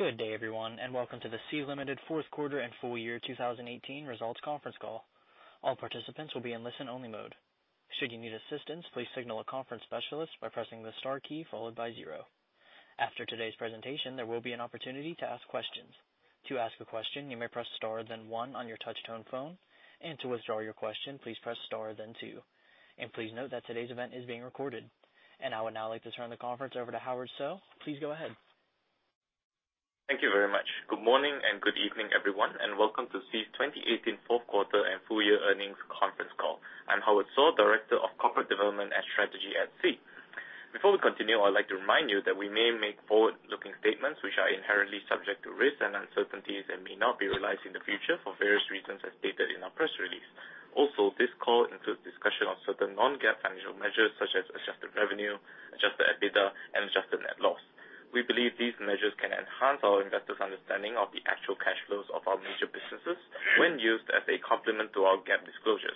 Good day everyone, welcome to the Sea Limited fourth quarter and full year 2018 results conference call. All participants will be in listen-only mode. Should you need assistance, please signal a conference specialist by pressing the star key followed by 0. After today's presentation, there will be an opportunity to ask questions. To ask a question, you may press star then one on your touch-tone phone, to withdraw your question, please press star then two. Please note that today's event is being recorded. I would now like to turn the conference over to Howard Soh. Please go ahead. Thank you very much. Good morning and good evening, everyone, welcome to Sea's 2018 fourth quarter and full year earnings conference call. I'm Howard Soh, Director of Corporate Development and Strategy at Sea. Before we continue, I would like to remind you that we may make forward-looking statements which are inherently subject to risks and uncertainties and may not be realized in the future for various reasons, as stated in our press release. This call includes discussion of certain non-GAAP financial measures such as adjusted revenue, adjusted EBITDA, and adjusted net loss. We believe these measures can enhance our investors' understanding of the actual cash flows of our major businesses when used as a complement to our GAAP disclosures.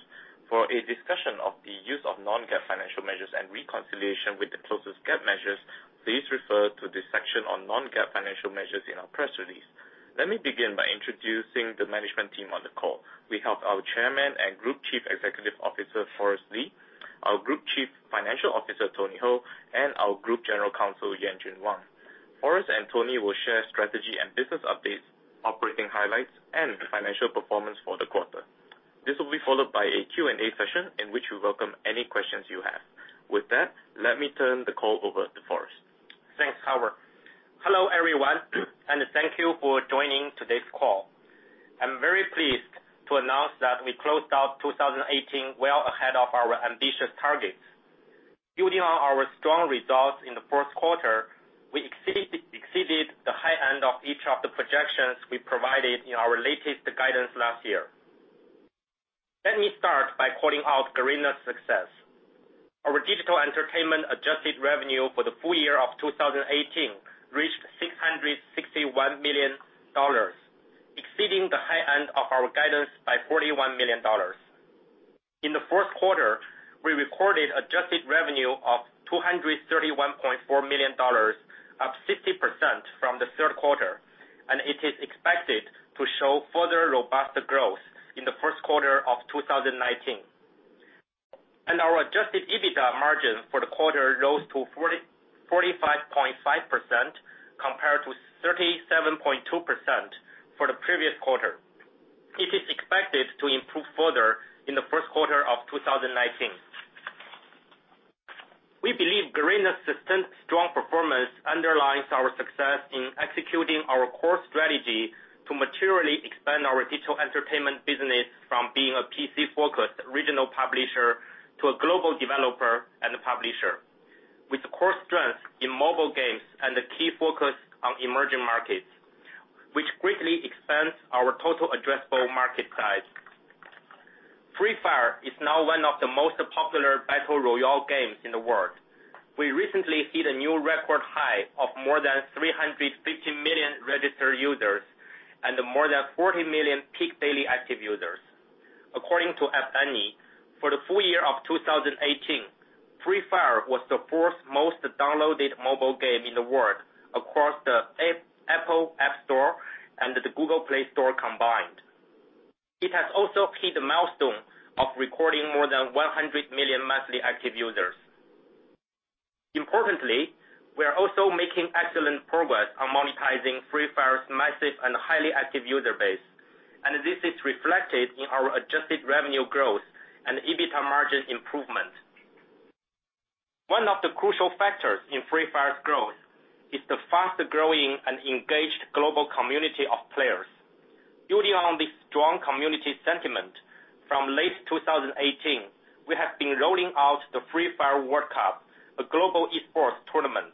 For a discussion of the use of non-GAAP financial measures and reconciliation with the closest GAAP measures, please refer to the section on non-GAAP financial measures in our press release. Let me begin by introducing the management team on the call. We have our Chairman and Group Chief Executive Officer, Forrest Li, our Group Chief Financial Officer, Tony Hou, and our Group General Counsel, Yanjun Wang. Forrest and Tony will share strategy and business updates, operating highlights, and financial performance for the quarter. This will be followed by a Q&A session in which we welcome any questions you have. With that, let me turn the call over to Forrest. Thanks, Howard. Hello, everyone, thank you for joining today's call. I'm very pleased to announce that we closed out 2018 well ahead of our ambitious targets. Building on our strong results in the fourth quarter, we exceeded the high end of each of the projections we provided in our latest guidance last year. Let me start by calling out Garena's success. Our digital entertainment adjusted revenue for the full year of 2018 reached $661 million, exceeding the high end of our guidance by $41 million. In the fourth quarter, we recorded adjusted revenue of $231.4 million, up 50% from the third quarter, and it is expected to show further robust growth in the first quarter of 2019. Our adjusted EBITDA margin for the quarter rose to 45.5% compared to 37.2% for the previous quarter. It is expected to improve further in the first quarter of 2019. We believe Garena's sustained strong performance underlines our success in executing our core strategy to materially expand our digital entertainment business from being a PC-focused regional publisher to a global developer and publisher. With core strength in mobile games and a key focus on emerging markets, which greatly expands our total addressable market size. "Free Fire" is now one of the most popular battle royale games in the world. We recently hit a new record high of more than 350 million registered users and more than 40 million peak daily active users. According to App Annie, for the full year of 2018, "Free Fire" was the fourth most downloaded mobile game in the world across the Apple App Store and the Google Play Store combined. It has also hit a milestone of recording more than 100 million monthly active users. Importantly, we are also making excellent progress on monetizing "Free Fire's" massive and highly active user base, and this is reflected in our adjusted revenue growth and EBITDA margin improvement. One of the crucial factors in "Free Fire's" growth is the fast-growing and engaged global community of players. Building on this strong community sentiment, from late 2018, we have been rolling out the "Free Fire" World Cup, a global esports tournament.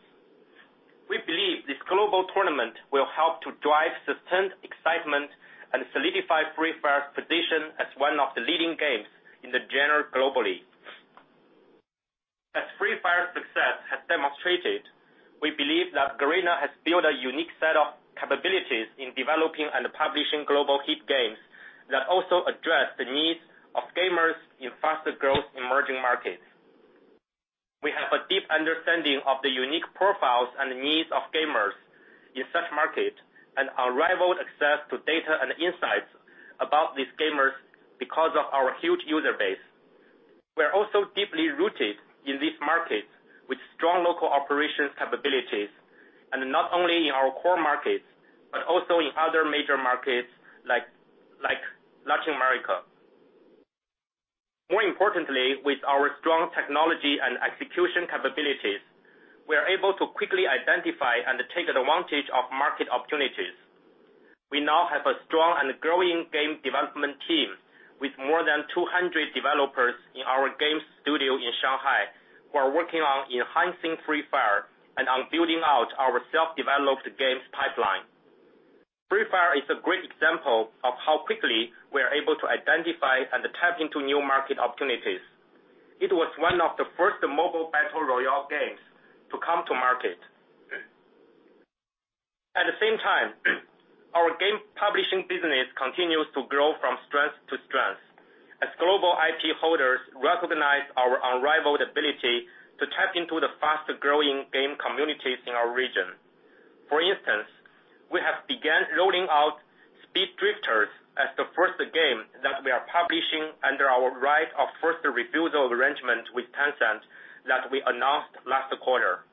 We believe this global tournament will help to drive sustained excitement and solidify "Free Fire's" position as one of the leading games in the genre globally. As "Free Fire's" success has demonstrated, we believe that Garena has built a unique set of capabilities in developing and publishing global hit games that also address the needs of gamers in faster-growth emerging markets. We have a deep understanding of the unique profiles and needs of gamers in such markets and unrivaled access to data and insights about these gamers because of our huge user base. We are also deeply rooted in these markets with strong local operations capabilities, not only in our core markets, but also in other major markets like Latin America. More importantly, with our strong technology and execution capabilities, we are able to quickly identify and take advantage of market opportunities. We now have a strong and growing game development team with more than 200 developers in our game studio in Shanghai who are working on enhancing "Free Fire" and on building out our self-developed games pipeline. "Free Fire" is a great example of how quickly we are able to identify and tap into new market opportunities. It was one of the first mobile battle royale games to come to market. At the same time, our game publishing business continues to grow from-IP holders recognize our unrivaled ability to tap into the faster-growing game communities in our region. For instance, we have begun rolling out Speed Drifters as the first game that we are publishing under our right of first refusal arrangement with Tencent that we announced last quarter.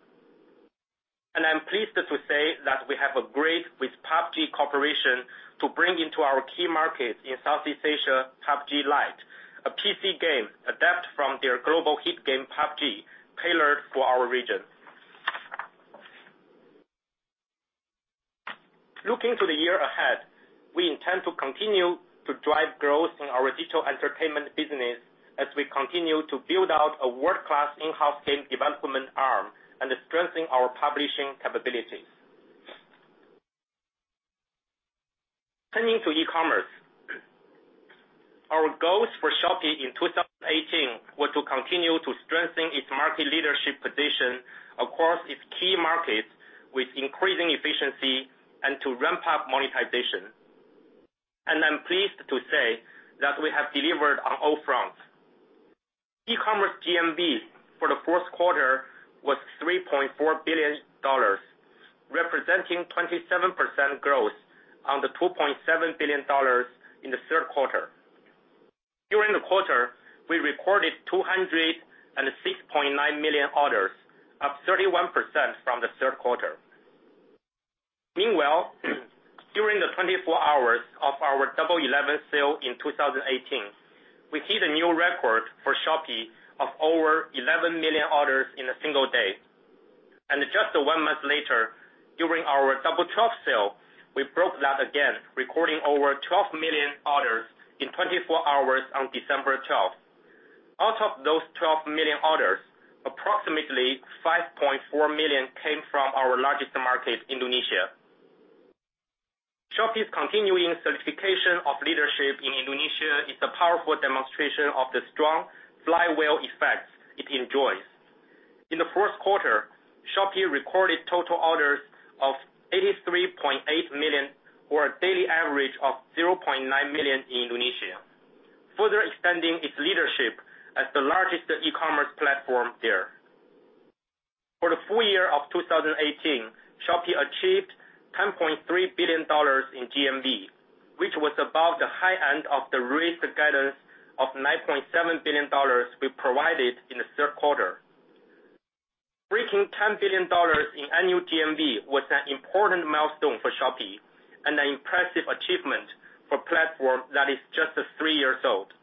I'm pleased to say that we have agreed with PUBG Corporation to bring into our key markets in Southeast Asia, PUBG Lite, a PC game adapted from their global hit game, PUBG, tailored for our region. Looking to the year ahead, we intend to continue to drive growth in our digital entertainment business as we continue to build out a world-class in-house game development arm and strengthen our publishing capabilities. Turning to e-commerce. Our goals for Shopee in 2018 were to continue to strengthen its market leadership position across its key markets with increasing efficiency and to ramp up monetization. I'm pleased to say that we have delivered on all fronts. E-commerce GMV for the fourth quarter was $3.4 billion, representing 27% growth on the $2.7 billion in the third quarter. During the quarter, we recorded 206.9 million orders, up 31% from the third quarter. Meanwhile, during the 24 hours of our Double 11 sale in 2018, we hit a new record for Shopee of over 11 million orders in a single day. Just one month later, during our Double 12 sale, we broke that again, recording over 12 million orders in 24 hours on December 12th. Out of those 12 million orders, approximately 5.4 million came from our largest market, Indonesia. Shopee's continuing solidification of leadership in Indonesia is a powerful demonstration of the strong flywheel effects it enjoys. In the fourth quarter, Shopee recorded total orders of 83.8 million or a daily average of 0.9 million in Indonesia, further extending its leadership as the largest e-commerce platform there. For the full year of 2018, Shopee achieved $10.3 billion in GMV, which was above the high end of the raised guidance of $9.7 billion we provided in the third quarter. Reaching $10 billion in annual GMV was an important milestone for Shopee and an impressive achievement for a platform that is just three years old.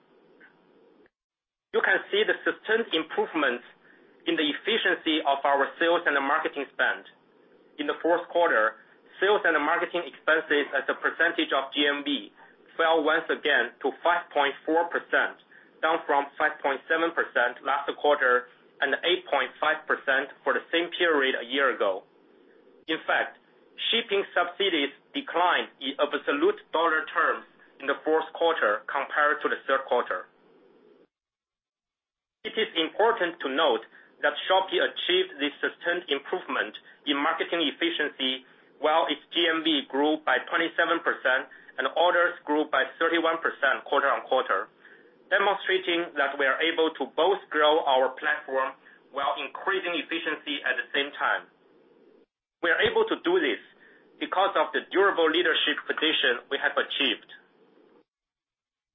You can see the sustained improvements in the efficiency of our sales and the marketing spend. In the fourth quarter, sales and the marketing expenses as a percentage of GMV fell once again to 5.4%, down from 5.7% last quarter and 8.5% for the same period a year ago. In fact, shipping subsidies declined in absolute dollar terms in the fourth quarter compared to the third quarter. It is important to note that Shopee achieved this sustained improvement in marketing efficiency while its GMV grew by 27% and orders grew by 31% quarter on quarter, demonstrating that we are able to both grow our platform while increasing efficiency at the same time. We are able to do this because of the durable leadership position we have achieved.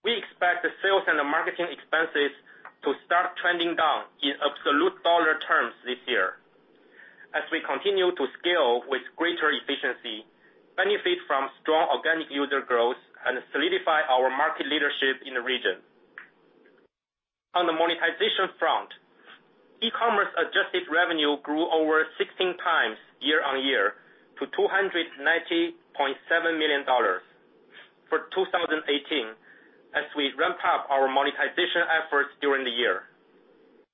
We expect the sales and the marketing expenses to start trending down in absolute dollar terms this year as we continue to scale with greater efficiency, benefit from strong organic user growth, and solidify our market leadership in the region. On the monetization front, e-commerce adjusted revenue grew over 16 times year on year to $290.7 million for 2018 as we ramped up our monetization efforts during the year.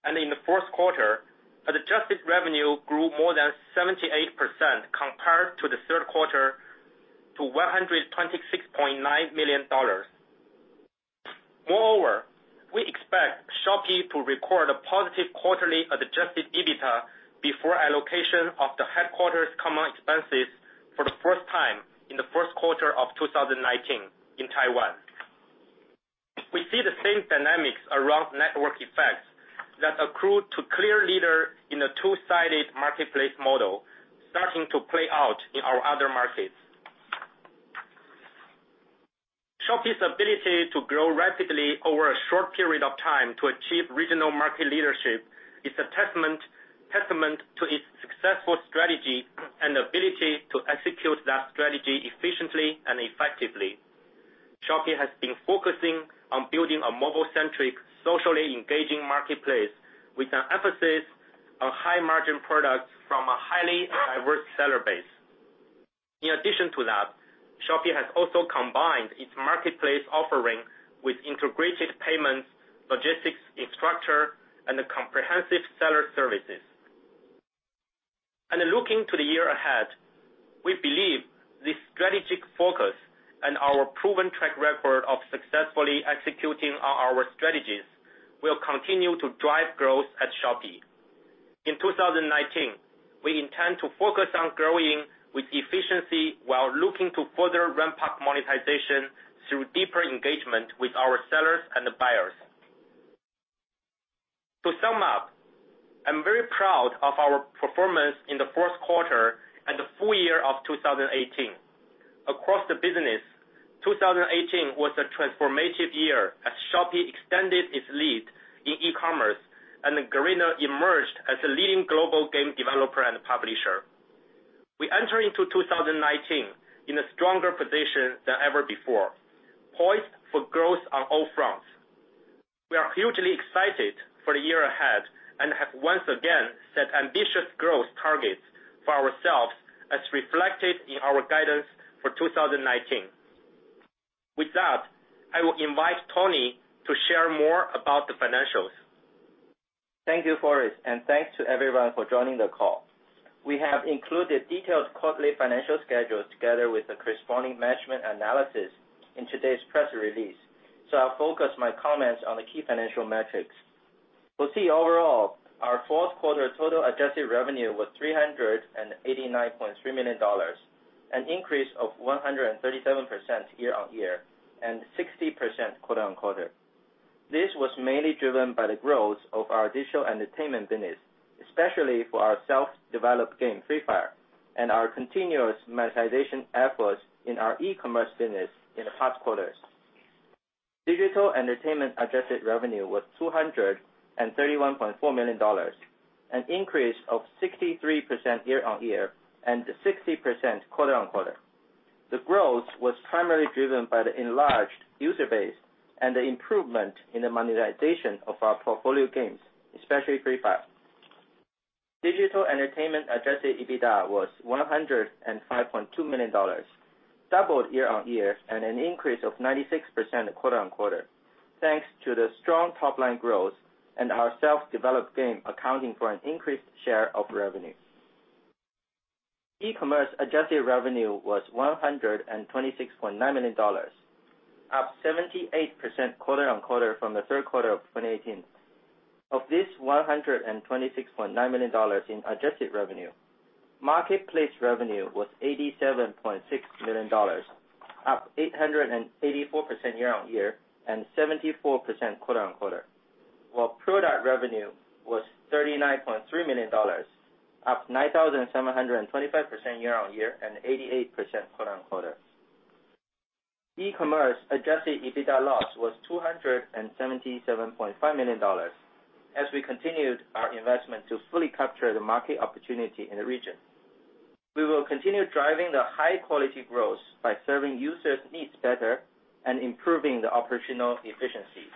In the fourth quarter, adjusted revenue grew more than 78% compared to the third quarter to $126.9 million. Moreover, we expect Shopee to record a positive quarterly adjusted EBITDA before allocation of the headquarters' common expenses for the first time in the first quarter of 2019 in Taiwan. We see the same dynamics around network effects that accrue to clear leader in a two-sided marketplace model starting to play out in our other markets. Shopee's ability to grow rapidly over a short period of time to achieve regional market leadership is a testament to its successful strategy and ability to execute that strategy efficiently and effectively. Shopee has been focusing on building a mobile-centric, socially engaging marketplace with an emphasis on high-margin products from a highly diverse seller base. In addition to that, Shopee has also combined its marketplace offering with integrated payments, logistics infrastructure, and comprehensive seller services. Looking to the year ahead, we believe this strategic focus and our proven track record of successfully executing on our strategies will continue to drive growth at Shopee. In 2019, we intend to focus on growing with efficiency while looking to further ramp up monetization through deeper engagement with our sellers and the buyers. To sum up, I'm very proud of our performance in the fourth quarter and the full year of 2018. Across the business, 2018 was a transformative year as Shopee extended its lead in e-commerce, and Garena emerged as a leading global game developer and publisher. We enter into 2019 in a stronger position than ever before, poised for growth on all fronts. We are hugely excited for the year ahead and have once again set ambitious growth targets for ourselves as reflected in our guidance for 2019. With that, I will invite Tony to share more about the financials. Thank you, Forrest, and thanks to everyone for joining the call. We have included detailed quarterly financial schedules together with the corresponding management analysis in today's press release. I'll focus my comments on the key financial metrics. Overall, our fourth quarter total adjusted revenue was $389.3 million, an increase of 137% year-on-year and 16% quarter-on-quarter. This was mainly driven by the growth of our digital entertainment business, especially for our self-developed game, Free Fire, and our continuous monetization efforts in our e-commerce business in the past quarters. Digital entertainment adjusted revenue was $231.4 million, an increase of 63% year-on-year and 60% quarter-on-quarter. The growth was primarily driven by the enlarged user base and the improvement in the monetization of our portfolio games, especially Free Fire. Digital entertainment adjusted EBITDA was $105.2 million, doubled year-on-year and an increase of 96% quarter-on-quarter, thanks to the strong top-line growth and our self-developed game accounting for an increased share of revenue. E-commerce adjusted revenue was $126.9 million, up 78% quarter-on-quarter from the third quarter of 2018. Of this $126.9 million in adjusted revenue, marketplace revenue was $87.6 million, up 884% year-on-year and 74% quarter-on-quarter, while product revenue was $39.3 million, up 9,725% year-on-year and 88% quarter-on-quarter. E-commerce adjusted EBITDA loss was $277.5 million, as we continued our investment to fully capture the market opportunity in the region. We will continue driving the high-quality growth by serving users' needs better and improving the operational efficiency.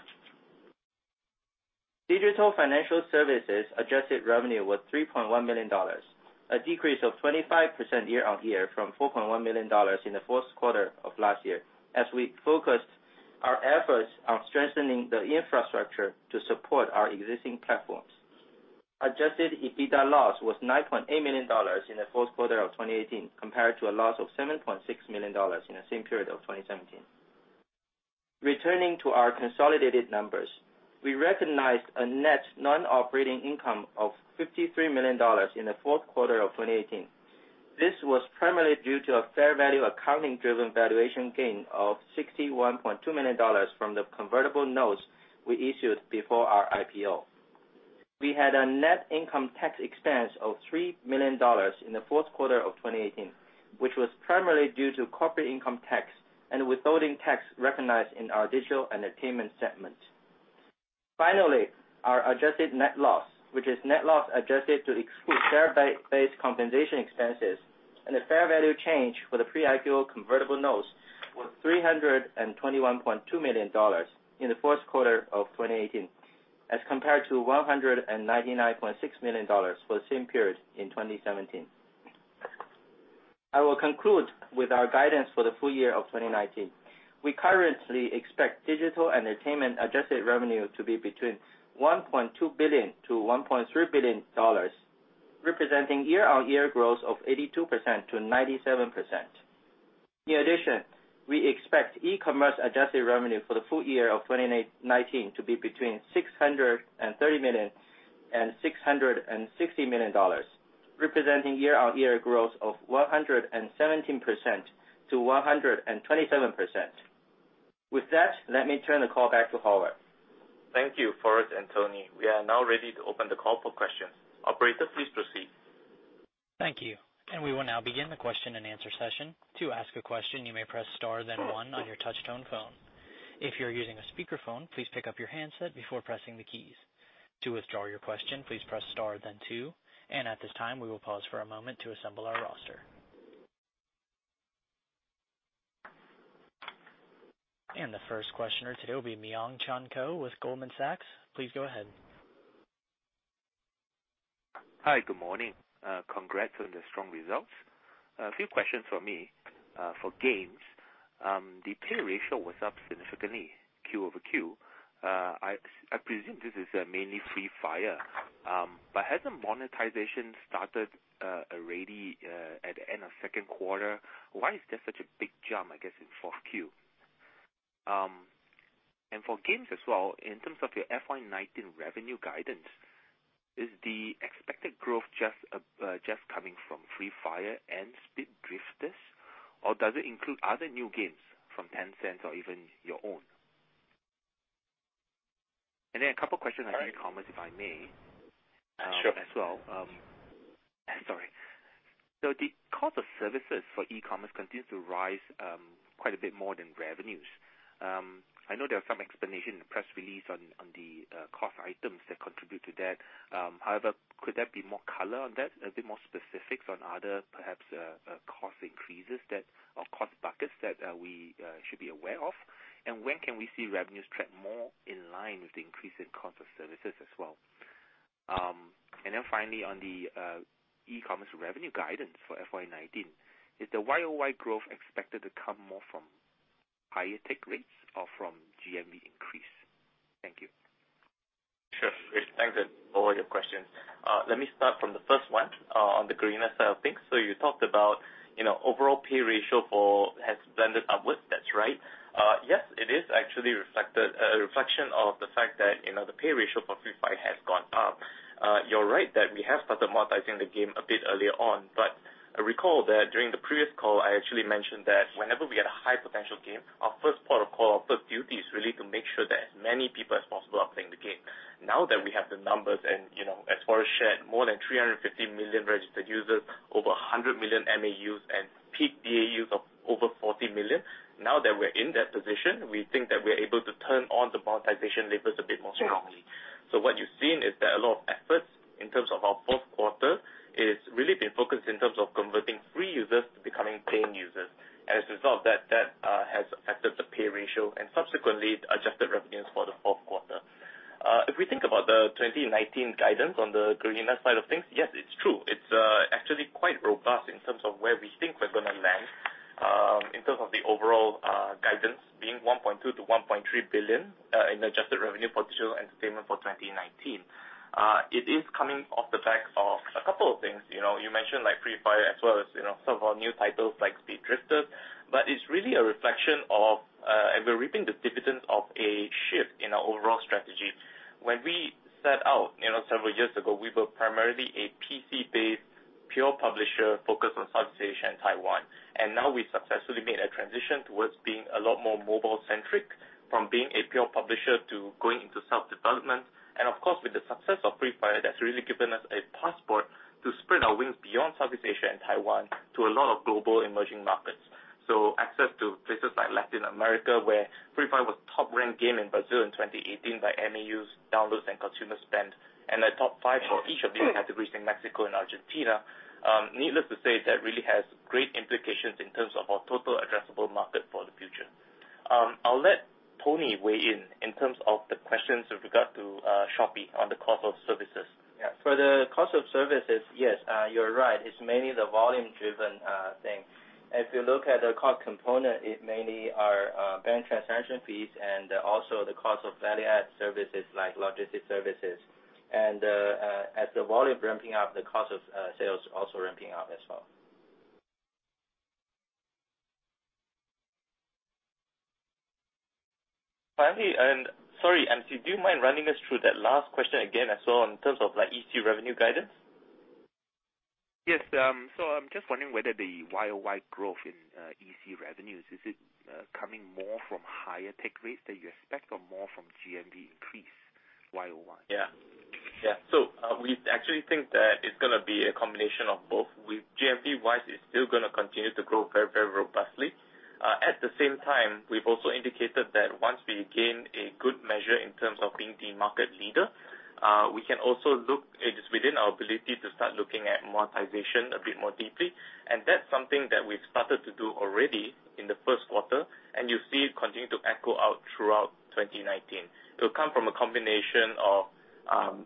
Digital financial services adjusted revenue was $3.1 million, a decrease of 25% year-on-year from $4.1 million in the fourth quarter of last year, as we focused our efforts on strengthening the infrastructure to support our existing platforms. Adjusted EBITDA loss was $9.8 million in the fourth quarter of 2018 compared to a loss of $7.6 million in the same period of 2017. Returning to our consolidated numbers, we recognized a net non-operating income of $53 million in the fourth quarter of 2018. This was primarily due to a fair value accounting-driven valuation gain of $61.2 million from the convertible notes we issued before our IPO. We had a net income tax expense of $3 million in the fourth quarter of 2018, which was primarily due to corporate income tax and withholding tax recognized in our digital entertainment segment. Finally, our adjusted net loss, which is net loss adjusted to exclude share-based compensation expenses and the fair value change for the pre-IPO convertible notes, was $321.2 million in the fourth quarter of 2018 as compared to $199.6 million for the same period in 2017. I will conclude with our guidance for the full year of 2019. We currently expect digital entertainment adjusted revenue to be between $1.2 billion-$1.3 billion, representing year-on-year growth of 82%-97%. In addition, we expect e-commerce adjusted revenue for the full year of 2019 to be between $630 million and $660 million, representing year-on-year growth of 117%-127%. With that, let me turn the call back to Howard. Thank you, Forrest and Tony. We are now ready to open the call for questions. Operator, please proceed. Thank you. We will now begin the question-and-answer session. To ask a question, you may press star then one on your touch-tone phone. If you're using a speakerphone, please pick up your handset before pressing the keys. To withdraw your question, please press star then two. At this time, we will pause for a moment to assemble our roster. The first questioner today will be Myong-Chun Ko with Goldman Sachs. Please go ahead. Hi. Good morning. Congrats on the strong results. A few questions from me. For games, the pay ratio was up significantly quarter-over-quarter. I presume this is mainly Free Fire. Hasn't monetization started already at the end of second quarter? Why is there such a big jump, I guess, in fourth quarter? For games as well, in terms of your FY 2019 revenue guidance, is the expected growth just coming from Free Fire and Speed Drifters, or does it include other new games from Tencent or even your own? A couple questions on e-commerce, if I may- Sure as well. Sorry. The cost of services for e-commerce continues to rise quite a bit more than revenues. I know there are some explanations in the press release on the cost items that contribute to that. However, could there be more color on that? A bit more specifics on other perhaps cost increases or cost buckets that we should be aware of? When can we see revenues trend more in line with the increase in cost of services as well? Finally, on the e-commerce revenue guidance for FY 2019, is the year-over-year growth expected to come more from higher take rates or from GMV increase? Thank you. Sure. Rich, thanks for all your questions. Let me start from the first one, on the Garena side of things. You talked about overall pay ratio has blended upwards. That's right. Yes, it is actually a reflection of the fact that the pay ratio for Free Fire has gone up. You're right that we have started monetizing the game a bit earlier on, but recall that during the previous call, I actually mentioned that whenever we had a high potential game, our first port of call, our first duty, is really to make sure that as many people as possible are playing the game. Now that we have the numbers, and as far as shared, more than 350 million registered users, over 100 million MAUs, and peak DAUs of over 40 million. Now that we're in that position, we think that we're able to turn on the monetization levers a bit more strongly. What you've seen is that a lot of efforts, in terms of our fourth quarter, it's really been focused in terms of converting free users to becoming paying users. As a result, that has affected the pay ratio and subsequently adjusted revenues for the fourth quarter. If we think about the 2019 guidance on the Garena side of things, yes, it's true. It's actually quite robust in terms of where we think we're going to land, in terms of the overall guidance being $1.2 billion-$1.3 billion in adjusted revenue for digital entertainment for 2019. It is coming off the back of a couple of things. It's really a reflection of, and we're reaping the dividends of a shift in our overall strategy. When we set out several years ago, we were primarily a PC-based pure publisher focused on Southeast Asia and Taiwan. Now we successfully made a transition towards being a lot more mobile centric, from being a pure publisher to going into self-development. Of course, with the success of Free Fire, that's really given us a passport to spread our wings beyond Southeast Asia and Taiwan to a lot of global emerging markets. Access to places like Latin America, where Free Fire was top-ranked game in Brazil in 2018 by MAUs, downloads, and consumer spend, and a top 5 for each of the categories in Mexico and Argentina. Needless to say, that really has great implications in terms of our total addressable market for the future. I'll let Tony weigh in terms of the questions with regard to Shopee on the cost of services. Yeah. For the cost of services, yes, you're right. It's mainly the volume-driven thing. If you look at the cost component, it mainly our bank transaction fees and also the cost of value-add services like logistic services. As the volume ramping up, the cost of sales also ramping up as well. Finally, sorry, do you mind running us through that last question again, I saw in terms of EC revenue guidance? Yes. I'm just wondering whether the Y-o-Y growth in EC revenues, is it coming more from higher take rates that you expect, or more from GMV increase Y-o-Y? Yeah. We actually think that it's going to be a combination of both. With GMV wise, it's still going to continue to grow very robustly. At the same time, we've also indicated that once we gain a good measure in terms of being the market leader, it is within our ability to start looking at monetization a bit more deeply. That's something that we've started to do already in the first quarter, and you see it continue to echo out throughout 2019. It will come from a combination of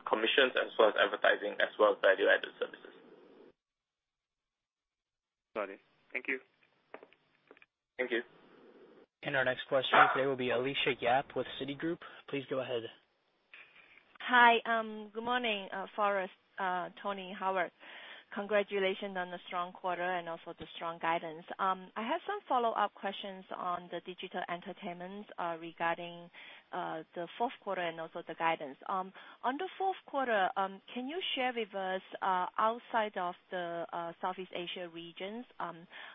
commissions as well as advertising, as well as value-added services. Got it. Thank you. Thank you. Our next question today will be Alicia Yap with Citigroup. Please go ahead. Hi. Good morning, Forrest, Tony, Howard. Congratulations on the strong quarter and also the strong guidance. I have some follow-up questions on the digital entertainment, regarding the fourth quarter and also the guidance. On the fourth quarter, can you share with us, outside of the Southeast Asia regions,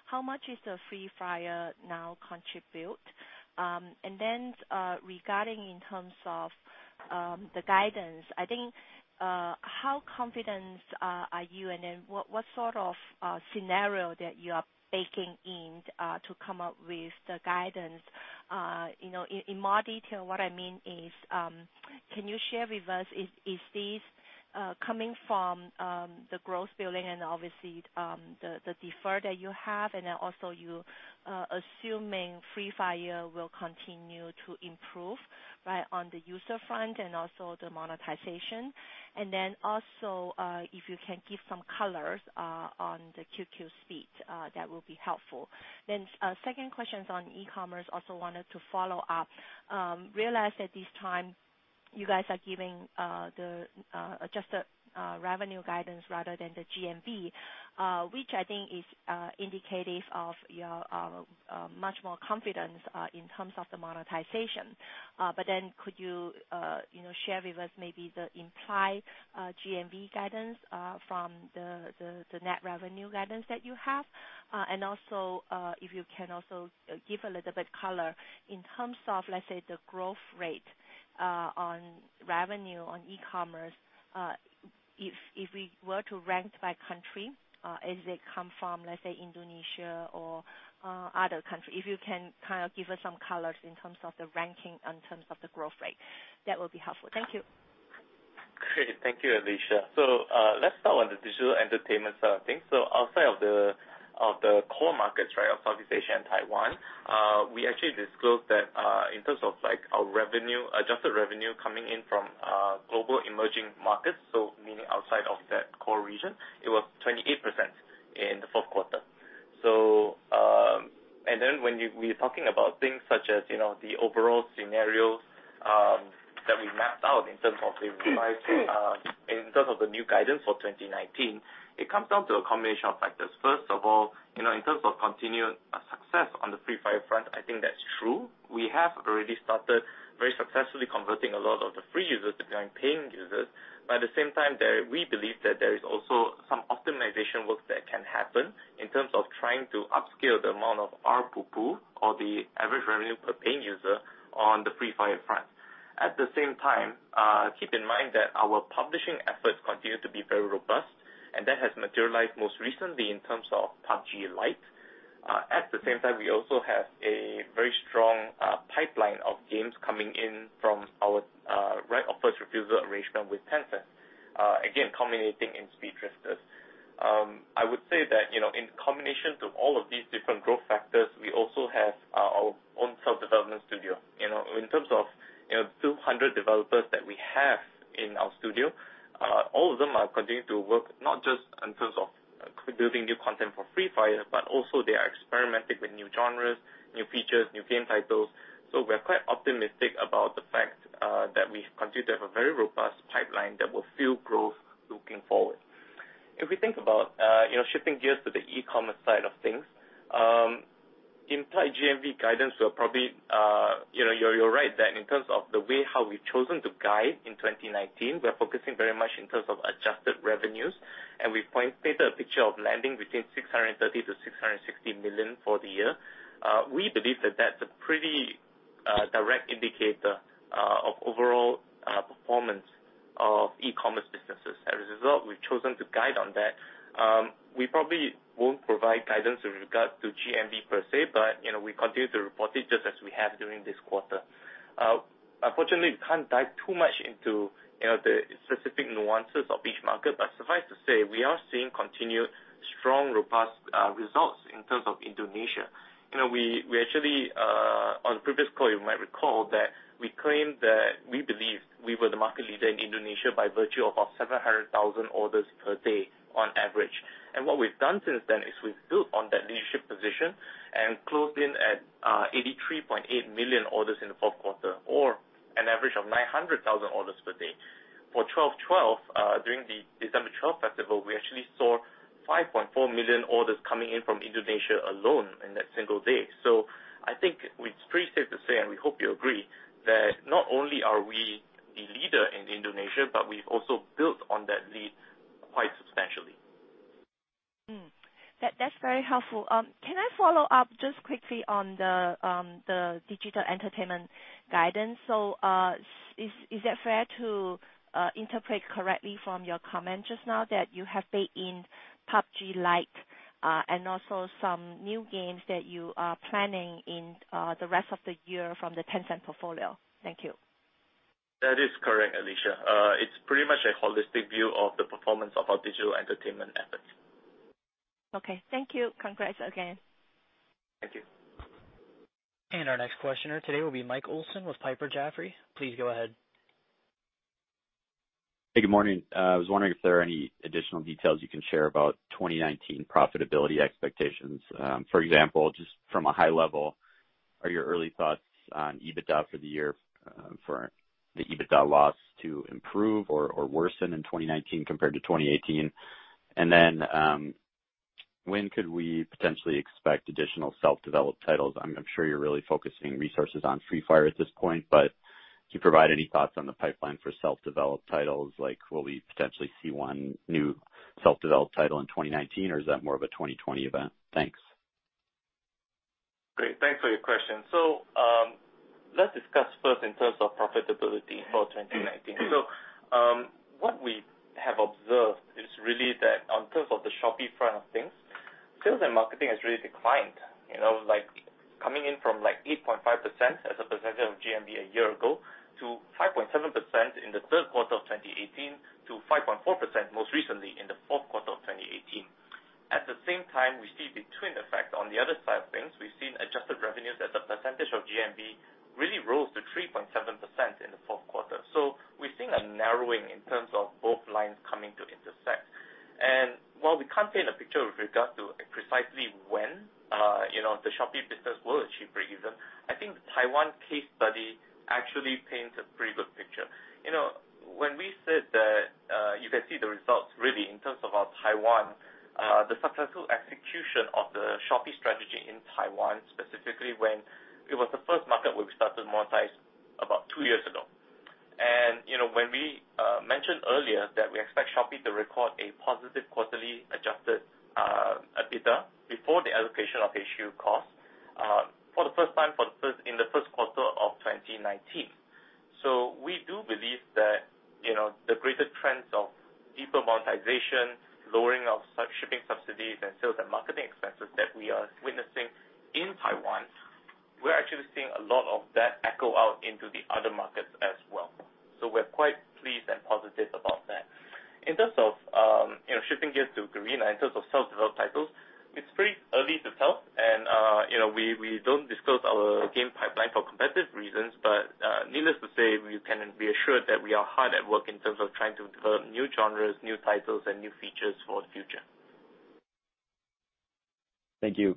how much is the Free Fire now contribute? Regarding in terms of the guidance, how confident are you, and then what sort of scenario that you are baking in to come up with the guidance? In more detail what I mean is, can you share with us, is this coming from the growth building and obviously the defer that you have, and also you assuming Free Fire will continue to improve on the user front and also the monetization? Also, if you can give some colors on the QQ Speed that will be helpful. Second question is on e-commerce. Also wanted to follow up. I realize that this time you guys are giving just a revenue guidance rather than the GMV, which I think is indicative of your much more confidence in terms of the monetization. Could you share with us maybe the implied GMV guidance from the net revenue guidance that you have? Also, if you can also give a little bit color in terms of, let's say, the growth rate on revenue on e-commerce, if we were to rank by country, as they come from, let's say, Indonesia or other country. If you can kind of give us some colors in terms of the ranking and terms of the growth rate, that will be helpful. Thank you. Great. Thank you, Alicia. Let's start on the digital entertainment side of things. Outside of the core markets of Southeast Asia and Taiwan, we actually disclosed that in terms of our adjusted revenue coming in from global emerging markets, so meaning outside of that core region, it was 28% in the fourth quarter. When we're talking about things such as the overall scenarios that we mapped out in terms of the new guidance for 2019, it comes down to a combination of factors. First of all, in terms of continued success on the Free Fire front, I think that's true. We have already started very successfully converting a lot of the free users to become paying users. At the same time, we believe that there is also some optimization work that can happen in terms of trying to upscale the amount of ARPU, or the average revenue per paying user, on the Free Fire front. At the same time, keep in mind that our publishing efforts continue to be very robust, and that has materialized most recently in terms of PUBG Lite. At the same time, we also have a very strong pipeline of games coming in from our right of first refusal arrangement with Tencent. Again, culminating in Speed Drifters. I would say that in combination to all of these different growth factors, we also have our own self-development studio. In terms of 200 developers that we have in our studio, all of them are continuing to work, not just in terms of building new content for Free Fire, but also they are experimenting with new genres, new features, new game titles. We are quite optimistic about the fact that we continue to have a very robust pipeline that will fuel growth looking forward. If we think about shifting gears to the e-commerce side of things, implied GMV guidance will probably You're right, that in terms of the way how we've chosen to guide in 2019, we are focusing very much in terms of adjusted revenues, and we've painted a picture of landing between $630 million-$660 million for the year. We believe that that's a pretty direct indicator of overall performance of e-commerce businesses. As a result, we've chosen to guide on that. We probably won't provide guidance with regard to GMV per se, but we continue to report it just as we have during this quarter. Unfortunately, we can't dive too much into the specific nuances of each market, but suffice to say, we are seeing continued strong, robust results in terms of Indonesia. On the previous call, you might recall that we claimed that we believe we were the market leader in Indonesia by virtue of our 700,000 orders per day on average. What we've done since then is we've built on that leadership position and closed in at 83.8 million orders in the fourth quarter, or an average of 900,000 orders per day. For 12.12, during the December 12 festival, we actually saw 5.4 million orders coming in from Indonesia alone in that single day. I think it's pretty safe to say, and we hope you agree, that not only are we the leader in Indonesia, but we've also built on that lead quite substantially. That's very helpful. Can I follow up just quickly on the digital entertainment guidance? Is it fair to interpret correctly from your comment just now that you have baked in PUBG Lite, and also some new games that you are planning in the rest of the year from the Tencent portfolio? Thank you. That is correct, Alicia. It's pretty much a holistic view of the performance of our digital entertainment efforts. Okay. Thank you. Congrats again. Thank you. Our next questioner today will be Mike Olson with Piper Jaffray. Please go ahead. Hey, good morning. I was wondering if there are any additional details you can share about 2019 profitability expectations. For example, just from a high level, are your early thoughts on EBITDA for the year for the EBITDA loss to improve or worsen in 2019 compared to 2018? When could we potentially expect additional self-developed titles? I'm sure you're really focusing resources on Free Fire at this point, but could you provide any thoughts on the pipeline for self-developed titles, like will we potentially see one new self-developed title in 2019, or is that more of a 2020 event? Thanks. Great. Thanks for your question. Let's discuss first in terms of profitability for 2019. What we have observed is really that on terms of the Shopee front of things, sales and marketing has really declined. Coming in from 8.5% as a percentage of GMV a year ago to 5.7% in the third quarter of 2018 to 5.4% most recently in the fourth quarter of 2018. At the same time, we see between effect on the other side of things, we've seen adjusted revenues as a percentage of GMV really rose to 3.7% in the fourth quarter. We're seeing a narrowing in terms of both lines coming to intersect. While we can't paint a picture with regard to precisely when the Shopee business will achieve breakeven, I think the Taiwan case study actually paints a pretty good picture. When we said that you can see the results really in terms of our Taiwan, the successful execution of the Shopee strategy in Taiwan, specifically when it was the first market where we started to monetize about two years ago. When we mentioned earlier that we expect Shopee to record a positive quarterly adjusted EBITDA before the allocation of issue costs for the first time in the first quarter of 2019. We do believe that the greater trends of deeper monetization, lowering of shipping subsidies, and sales and marketing expenses that we are witnessing in Taiwan, we're actually seeing a lot of that echo out into the other markets as well. We're quite pleased and positive about that. In terms of shifting gears to Garena, in terms of self-developed titles, it's pretty early to tell. We don't disclose our game pipeline for competitive reasons. Needless to say, you can be assured that we are hard at work in terms of trying to develop new genres, new titles, and new features for the future. Thank you.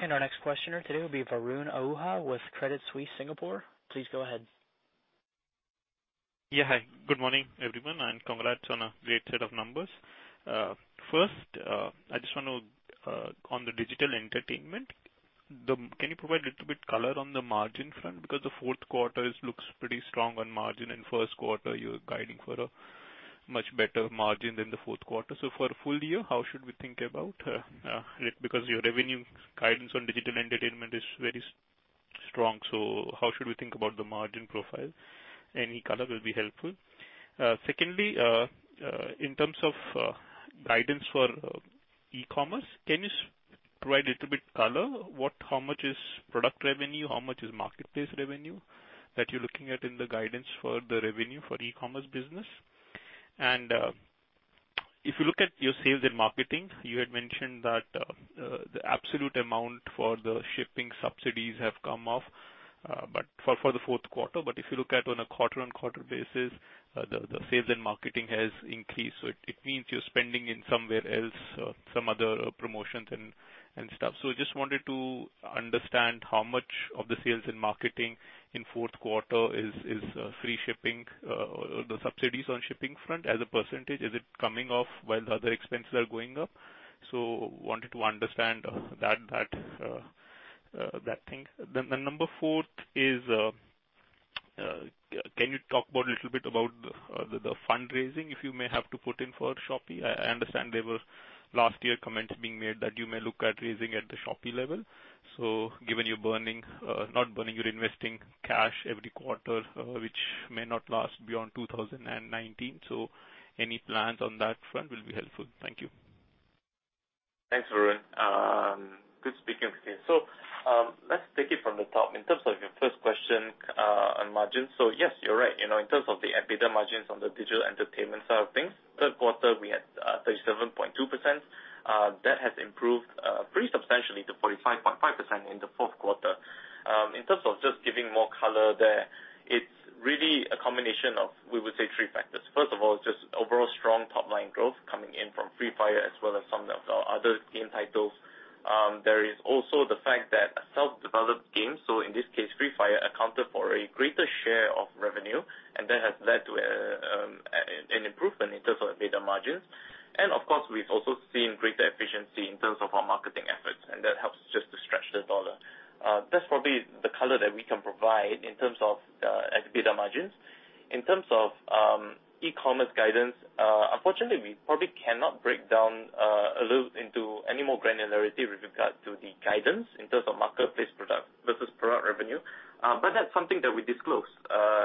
Our next questioner today will be Varun Ahuja with Credit Suisse Singapore. Please go ahead. Yeah. Hi, good morning, everyone, and congrats on a great set of numbers. First, on the digital entertainment, can you provide a little bit color on the margin front because the fourth quarter looks pretty strong on margin, and first quarter you're guiding for a much better margin than the fourth quarter. For a full year, how should we think about it? Because your revenue guidance on digital entertainment is very strong, how should we think about the margin profile? Any color will be helpful. Secondly, in terms of guidance for e-commerce, can you provide a little bit color? How much is product revenue? How much is marketplace revenue that you're looking at in the guidance for the revenue for e-commerce business? If you look at your sales and marketing, you had mentioned that the absolute amount for the shipping subsidies have come off for the fourth quarter. If you look at on a quarter-on-quarter basis, the sales and marketing has increased. It means you're spending in somewhere else, some other promotions and stuff. Just wanted to understand how much of the sales and marketing in fourth quarter is free shipping or the subsidies on shipping front as a percentage. Is it coming off while the other expenses are going up? Wanted to understand that thing. The number 4 is, can you talk a little bit about the fundraising if you may have to put in for Shopee? I understand there were last year comments being made that you may look at raising at the Shopee level. Given you're investing cash every quarter, which may not last beyond 2019. Any plans on that front will be helpful. Thank you. Thanks, Varun. Good speaking with you. Let's take it from the top. In terms of your first question on margins. Yes, you're right. In terms of the EBITDA margins on the digital entertainment side of things, third quarter, we had 37.2%. That has improved pretty substantially to 45.5% in the fourth quarter. In terms of just giving more color there, it's really a combination of, we would say, 3 factors. First of all, just overall strong top-line growth coming in from Free Fire as well as some of our other game titles. There is also the fact that a self-developed game, in this case, Free Fire, accounted for a greater share of revenue, and that has led to an improvement in terms of EBITDA margins. Of course, we've also seen greater efficiency in terms of our marketing efforts, and that helps just to stretch the dollar. That's probably the color that we can provide in terms of EBITDA margins. In terms of e-commerce guidance, unfortunately, we probably cannot break down a little into any more granularity with regard to the guidance in terms of marketplace product versus product revenue. That's something that we disclose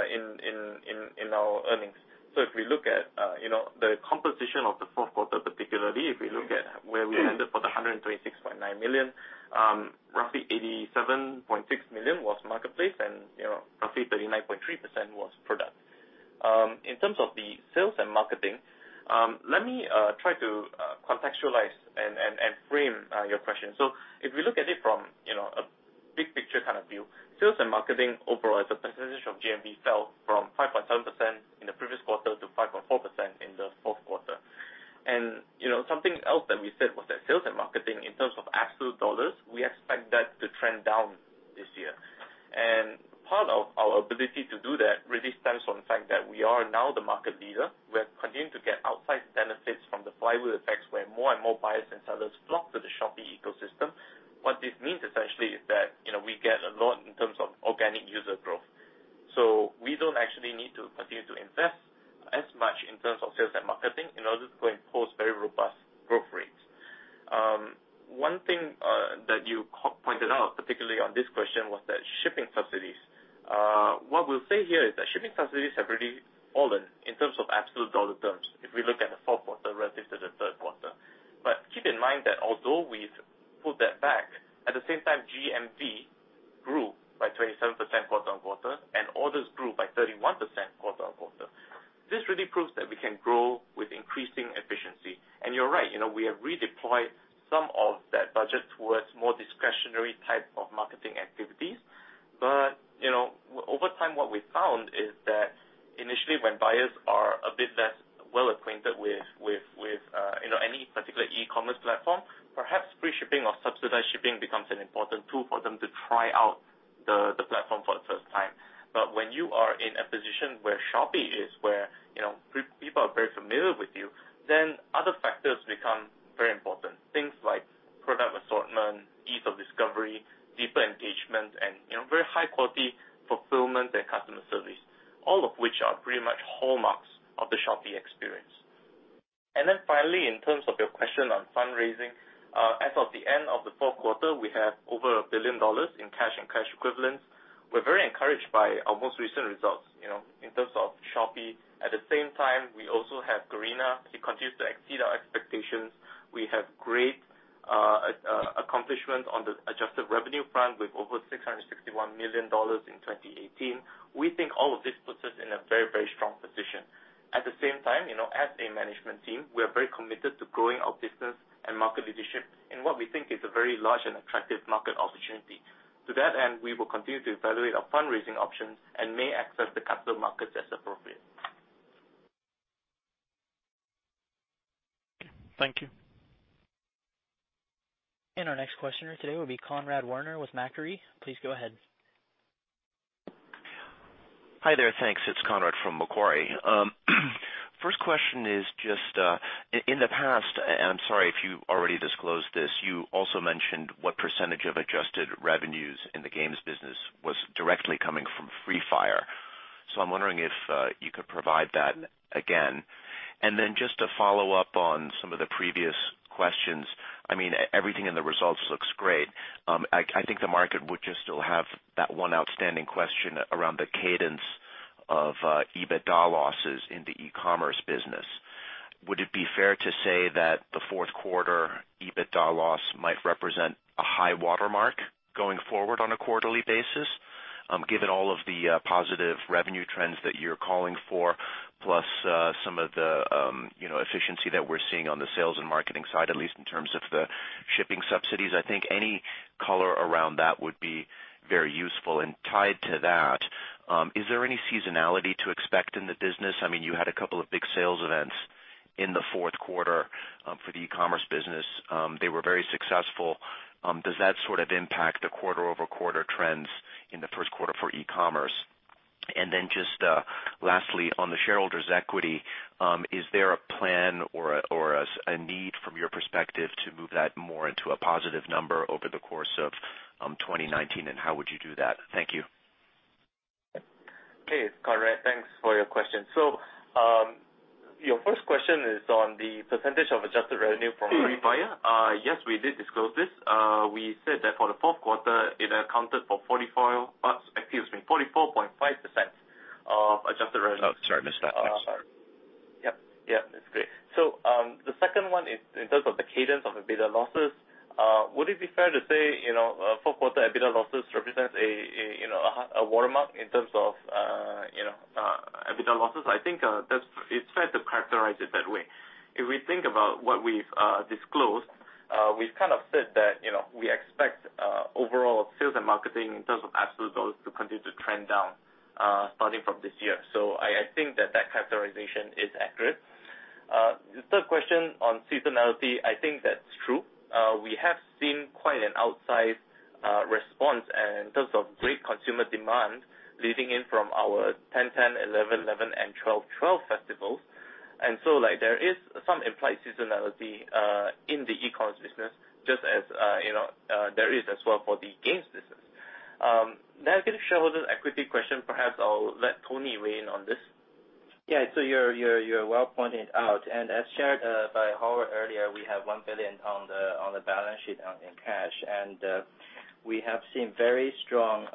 in our earnings. If we look at the composition of the fourth quarter, particularly, if we look at where we ended for the $136.9 million, roughly $87.6 million was marketplace and roughly 39.3% was product. In terms of the sales and marketing, let me try to contextualize and frame your question. If we look at it from a big picture kind of view, sales and marketing overall, as a percentage of GMV, fell from 5.7% in the previous quarter to 5.4% in the fourth quarter. And something else that we said was that sales and marketing, in terms of absolute dollars, we expect that to trend down this year. And part of our ability to do that really stems from the fact that we are now the market leader. We are continuing to get outside benefits from the flywheel effects where more and more buyers and sellers flock to the Shopee ecosystem. What this means essentially is that we get a lot in terms of organic user growth. We don't actually need to continue to invest as much in terms of sales and marketing in order to post very robust growth rates. One thing that you pointed out, particularly on this question, was that shipping subsidies. What we'll say here is that shipping subsidies have really fallen in terms of absolute dollar terms if we look at the fourth quarter versus the third quarter. But keep in mind that although we've put that back, at the same time, GMV grew by 27% quarter-over-quarter, and orders grew by 31% quarter-over-quarter. This really proves that we can grow with increasing efficiency. And you're right, we have redeployed some of that budget towards more discretionary type of marketing activities. Over time, what we've found is that initially when buyers are a bit less well-acquainted with any particular e-commerce platform, perhaps free shipping or subsidized shipping becomes an important tool for them to try out the platform for the first time. When you are in a position where Shopee is, where people are very familiar with you, then other factors become very important. Things like product assortment, ease of discovery, deeper engagement, and very high-quality fulfillment and customer service, all of which are pretty much hallmarks of the Shopee experience. And then finally, in terms of your question on fundraising, as of the end of the fourth quarter, we have over $1 billion in cash and cash equivalents. We're very encouraged by our most recent results in terms of Shopee. At the same time, we also have Garena. It continues to exceed our expectations. We have great accomplishment on the adjusted revenue front with over $661 million in 2018. We think all of this puts us in a very strong position. At the same time, as a management team, we are very committed to growing our business and market leadership in what we think is a very large and attractive market opportunity. To that end, we will continue to evaluate our fundraising options and may access the capital markets as appropriate. Okay. Thank you. Our next questioner today will be Conrad Werner with Macquarie. Please go ahead. Hi there. Thanks. It's Conrad from Macquarie. First question is just, in the past, and I'm sorry if you already disclosed this, you also mentioned what percentage of adjusted revenues in the games business was directly coming from Free Fire. I'm wondering if you could provide that again. Then just to follow up on some of the previous questions, everything in the results looks great. I think the market would just still have that one outstanding question around the cadence of EBITDA losses in the e-commerce business. Would it be fair to say that the fourth quarter EBITDA loss might represent a high watermark going forward on a quarterly basis, given all of the positive revenue trends that you're calling for, plus some of the efficiency that we're seeing on the sales and marketing side, at least in terms of the shipping subsidies? I think any color around that would be very useful. Tied to that, is there any seasonality to expect in the business? You had a couple of big sales events in the fourth quarter for the e-commerce business. They were very successful. Does that sort of impact the quarter-over-quarter trends in the first quarter for e-commerce? Then just lastly, on the shareholders' equity, is there a plan or a need from your perspective to move that more into a positive number over the course of 2019, and how would you do that? Thank you. Conrad, thanks for your question. Your first question is on the percentage of adjusted revenue from Free Fire. Yes, we did disclose this. We said that for the fourth quarter, it accounted for 44.5% of adjusted revenue. Sorry, I missed that. I'm sorry. Yep. That's great. The second one in terms of the cadence of EBITDA losses, would it be fair to say, fourth quarter EBITDA losses represents a watermark in terms of EBITDA losses? I think it's fair to characterize it that way. If we think about what we've disclosed, we've kind of said that we expect overall sales and marketing in terms of absolute dollars to continue to trend down starting from this year. I think that characterization is accurate. The third question on seasonality, I think that's true. We have seen quite an outsized response in terms of great consumer demand leading in from our 10.10, 11.11, and 12.12 festivals. There is some implied seasonality in the e-commerce business, just as there is as well for the games business. The shareholders' equity question, perhaps I'll let Tony weigh in on this. Yeah. You're well pointing it out. As shared by Howard earlier, we have $1 billion on the balance sheet in cash. We have seen very strong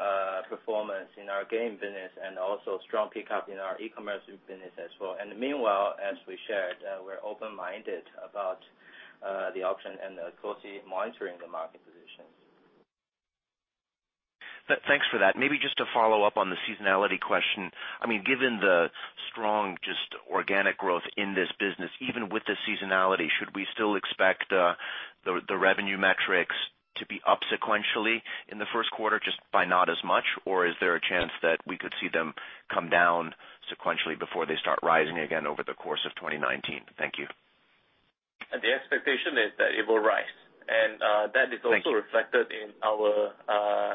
performance in our game business and also strong pickup in our e-commerce business as well. Meanwhile, as we shared, we're open-minded about the option and closely monitoring the market positions. Thanks for that. Maybe just to follow up on the seasonality question. Given the strong, just organic growth in this business, even with the seasonality, should we still expect the revenue metrics to be up sequentially in the first quarter just by not as much? Is there a chance that we could see them come down sequentially before they start rising again over the course of 2019? Thank you. The expectation is that it will rise. Thank you. That is also reflected in our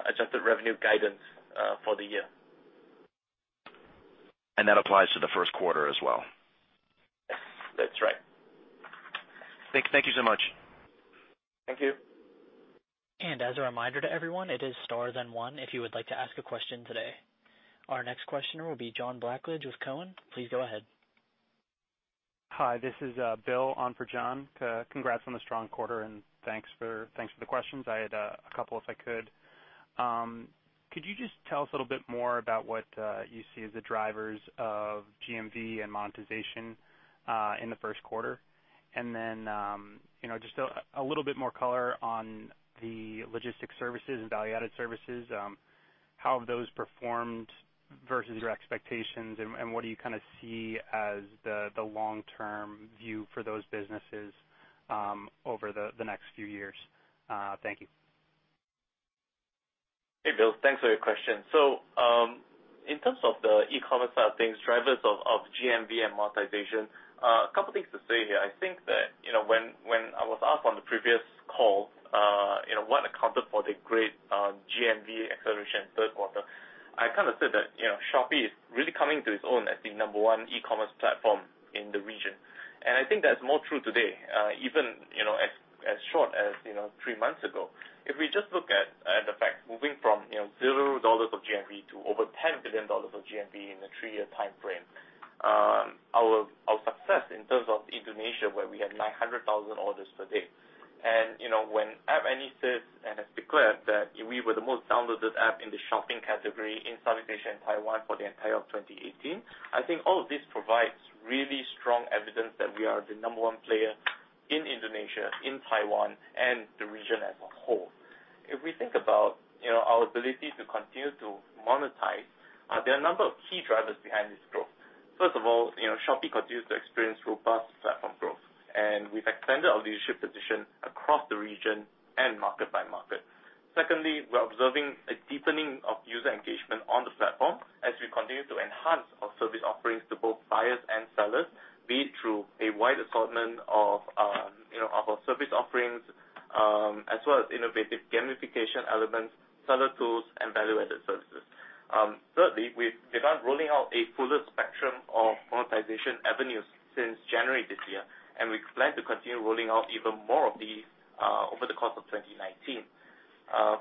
adjusted revenue guidance for the year. That applies to the first quarter as well. Yes, that's right. Thank you so much. Thank you. As a reminder to everyone, it is star then one if you would like to ask a question today. Our next questioner will be John Blackledge with Cowen. Please go ahead. Hi. This is Bill on for John. Congrats on the strong quarter. Thanks for the questions. I had a couple if I could. Could you just tell us a little bit more about what you see as the drivers of GMV and monetization in the first quarter? Just a little bit more color on the logistics services and value-added services. How have those performed versus your expectations, and what do you kind of see as the long-term view for those businesses over the next few years? Thank you. Hey, Bill. Thanks for your question. In terms of the e-commerce side of things, drivers of GMV and monetization, a couple of things to say here. I think that when I was asked on the previous call what accounted for the great GMV acceleration third quarter, I kind of said that Shopee is really coming into its own as the number one e-commerce platform in the region. I think that's more true today, even as short as three months ago. If we just look at the fact, moving from $0 of GMV to over $10 billion of GMV in a three-year timeframe, our success in terms of Indonesia, where we had 900,000 orders per day. When App Annie says and has declared that we were the most downloaded app in the shopping category in Southeast Asia and Taiwan for the entire 2018, I think all of this provides really strong evidence that we are the number one player in Indonesia, in Taiwan, and the region as a whole. If we think about our ability to continue to monetize, there are a number of key drivers behind this growth. First of all, Shopee continues to experience robust platform growth. We've extended our leadership position across the region and market by market. Secondly, we're observing a deepening of user engagement on the platform as we continue to enhance our service offerings to both buyers and sellers, be it through a wide assortment of our service offerings as well as innovative gamification elements, seller tools, and value-added services. Thirdly, we began rolling out a fuller spectrum of monetization avenues since January this year, and we plan to continue rolling out even more of these over the course of 2019.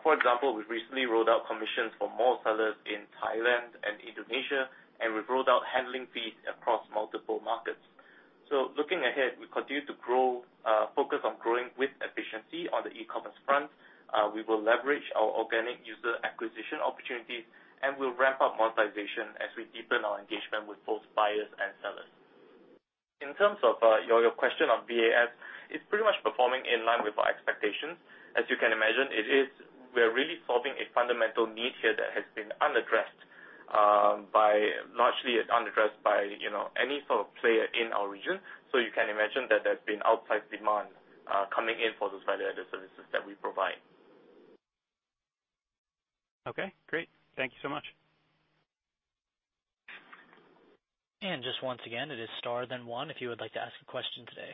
For example, we recently rolled out commissions for more sellers in Thailand and Indonesia, and we've rolled out handling fees across multiple markets. Looking ahead, we continue to focus on growing with efficiency on the e-commerce front. We will leverage our organic user acquisition opportunities, and we'll ramp up monetization as we deepen our engagement with both buyers and sellers. In terms of your question on VAS, it's pretty much performing in line with our expectations. As you can imagine, we are really solving a fundamental need here that has been unaddressed by largely any sort of player in our region. You can imagine that there's been outside demand coming in for those value-added services that we provide. Okay, great. Thank you so much. Just once again, it is star then one if you would like to ask a question today.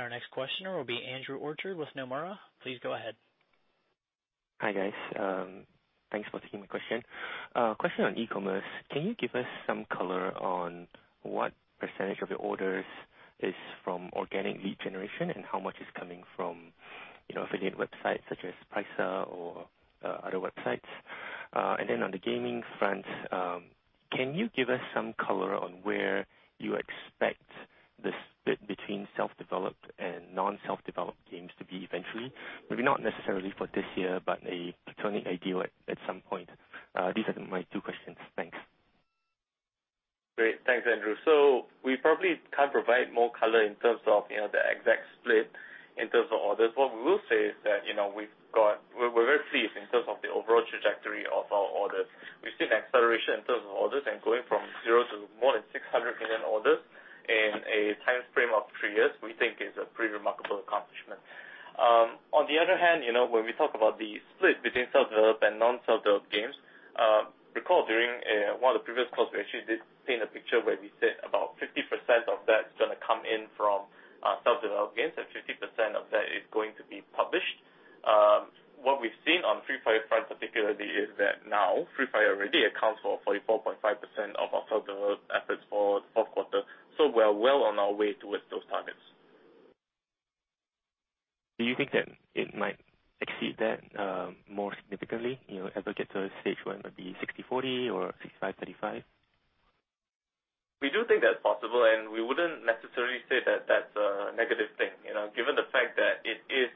Our next questioner will be Andrew Orchard with Nomura. Please go ahead. Hi, guys. Thanks for taking my question. A question on e-commerce. Can you give us some color on what % of your orders is from organic lead generation and how much is coming from affiliate websites such as Priceza or other websites? On the gaming front, can you give us some color on where you expect the split between self-developed and non-self-developed games to be eventually? Maybe not necessarily for this year, but a returning idea at some point. These are my 2 questions. Thanks. Great. Thanks, Andrew. We probably can't provide more color in terms of the exact split in terms of orders. What we will say is that we're very pleased in terms of the overall trajectory of our orders. We've seen acceleration in terms of orders and going from 0 to more than 600 million orders in a time frame of 3 years, we think is a pretty remarkable accomplishment. On the other hand, when we talk about the split between self-developed and non-self-developed games, recall during one of the previous calls, we actually did paint a picture where we said about 50% of that is going to come in from self-developed games and 50% of that is going to be published. What we've seen on Free Fire front particularly is that now Free Fire already accounts for 44.5% of our self-developed efforts for the 4Q. We're well on our way towards those targets. Do you think that it might exceed that more significantly, ever get to a stage where it might be 60/40 or 65/35? We do think that's possible, we wouldn't necessarily say that that's a negative thing. Given the fact that it is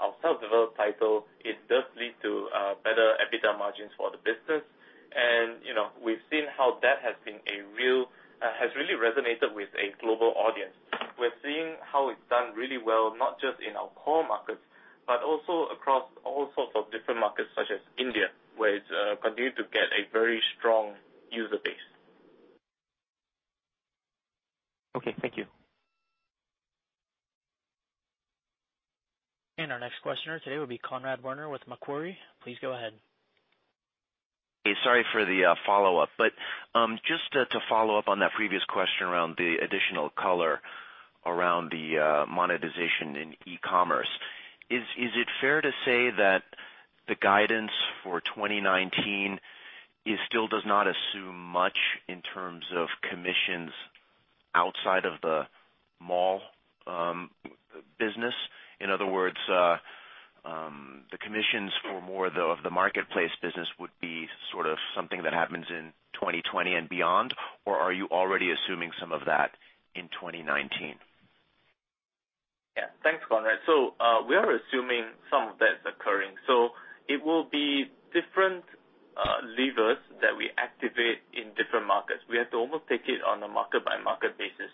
our self-developed title, it does lead to better EBITDA margins for the business. We've seen how that has really resonated with a global audience. We're seeing how it's done really well, not just in our core markets, but also across all sorts of different markets, such as India, where it's continued to get a very strong user base. Okay, thank you. Our next questioner today will be Conrad Werner with Macquarie. Please go ahead. Hey, sorry for the follow-up. Just to follow up on that previous question around the additional color around the monetization in e-commerce. Is it fair to say that the guidance for 2019 still does not assume much in terms of commissions outside of the mall business? In other words, the commissions for more of the marketplace business would be sort of something that happens in 2020 and beyond? Or are you already assuming some of that in 2019? Yeah. Thanks, Conrad. We are assuming some of that's occurring. It will be different levers that we activate in different markets. We have to almost take it on a market-by-market basis.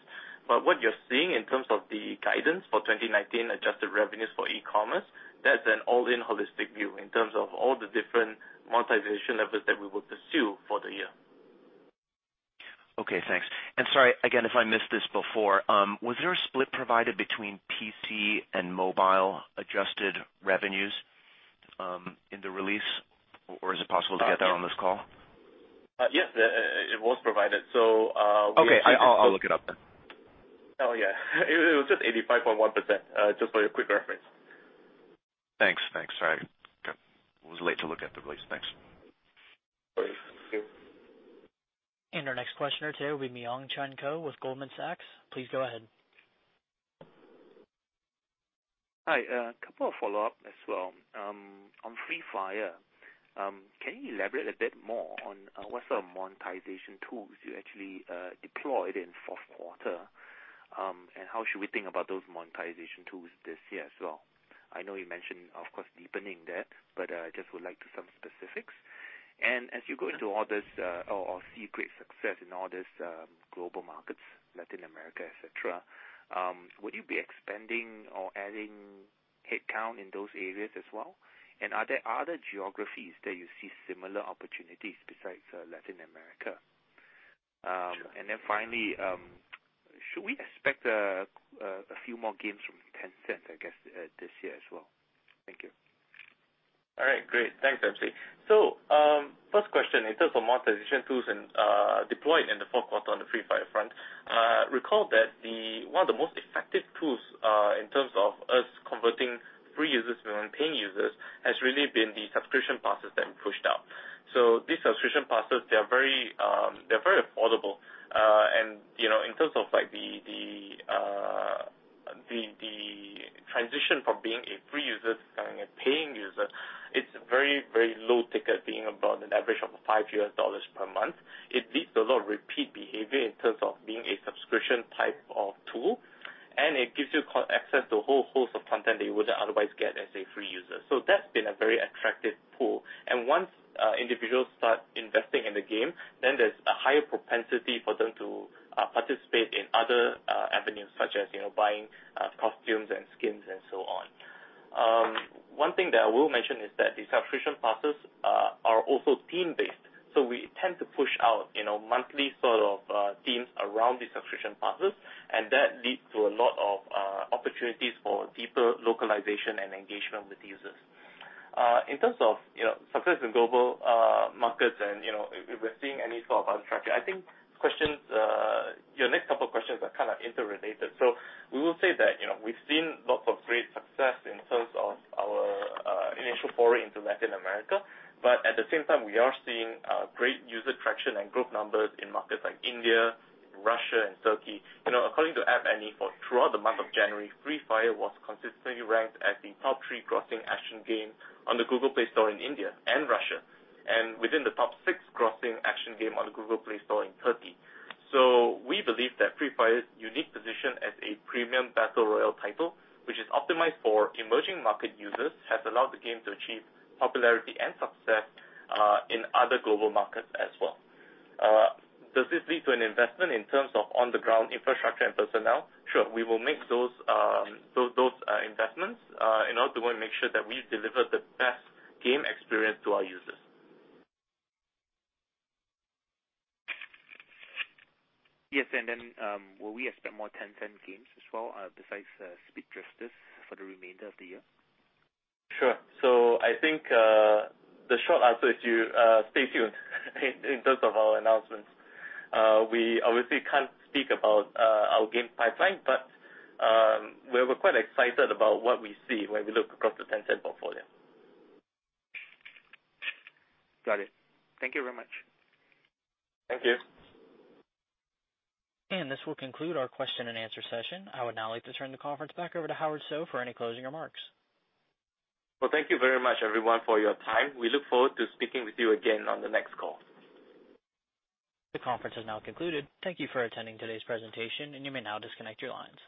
What you're seeing in terms of the guidance for 2019 adjusted revenues for e-commerce, that's an all-in holistic view in terms of all the different monetization levers that we will pursue for the year. Okay, thanks. Sorry again if I missed this before? Was there a split provided between PC and mobile adjusted revenues in the release? Is it possible to get that on this call? Yes, it was provided. Okay. I'll look it up then. Oh, yeah. It was just 85.1%, just for your quick reference. Thanks. Sorry. I was late to look at the release. Thanks. All right. Thank you. Our next questioner today will be Myong-Chun Ko with Goldman Sachs. Please go ahead. Hi. A couple of follow-up as well. On Free Fire, can you elaborate a bit more on what sort of monetization tools you actually deployed in the fourth quarter? How should we think about those monetization tools this year as well? I know you mentioned, of course, deepening that, but I just would like some specifics. As you go into all this, or see great success in all these global markets, Latin America, et cetera, would you be expanding or adding headcount in those areas as well? Are there other geographies that you see similar opportunities besides Latin America? Finally, should we expect a few more games from Tencent, I guess, this year as well? Thank you. All right, great. Thanks, MC. First question, in terms of monetization tools deployed in the fourth quarter on the Free Fire front. Recall that one of the most effective tools in terms of us converting free users to paying users has really been the subscription passes that we pushed out. These subscription passes, they're very affordable. In terms of the transition from being a free user to becoming a paying user, it's very low ticket, being about an average of $5 per month. It leads to a lot of repeat behavior in terms of being a subscription type of tool. It gives you access to a whole host of content that you wouldn't otherwise get as a free user. That's been a very attractive pull. Once individuals start investing in the game, then there's a higher propensity for them to participate in other avenues, such as buying costumes and skins and so on. One thing that I will mention is that the subscription passes are also team-based. We tend to push out monthly sort of themes around the subscription passes, and that leads to a lot of opportunities for deeper localization and engagement with users. In terms of success in global markets and if we're seeing any sort of traction, I think your next couple of questions are kind of interrelated. We will say that we've seen lots of great success in terms of our initial foray into Latin America. At the same time, we are seeing great user traction and group numbers in markets like India, Russia, and Turkey. According to App Annie, throughout the month of January, Free Fire was consistently ranked as the top 3 grossing action game on the Google Play Store in India and Russia, and within the top 6 grossing action game on the Google Play Store in Turkey. We believe that Free Fire's unique position as a premium battle royale title, which is optimized for emerging market users, has allowed the game to achieve popularity and success in other global markets as well. Does this lead to an investment in terms of on-the-ground infrastructure and personnel? Sure, we will make those investments in order to make sure that we deliver the best game experience to our users. Yes. Then, will we expect more Tencent games as well, besides Speed Drifters, for the remainder of the year? Sure. I think the short answer is to stay tuned in terms of our announcements. We obviously can't speak about our game pipeline, but we're quite excited about what we see when we look across the Tencent portfolio. Got it. Thank you very much. Thank you. This will conclude our question and answer session. I would now like to turn the conference back over to Howard Soh for any closing remarks. Well, thank you very much, everyone, for your time. We look forward to speaking with you again on the next call. The conference has now concluded. Thank you for attending today's presentation, and you may now disconnect your lines.